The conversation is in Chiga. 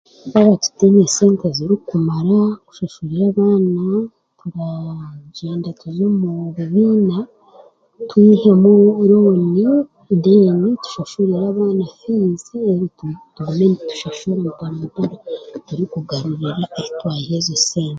twaba tutaine sente zirikumara kushashurira abaana turagyenda tuze mu bibiina twihemu rooni, then, tushashurire abaana fiizi reero tugume nitushashura mpora mpora turikugarura ahu twiha ezo sente.